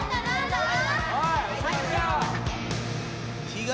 おい！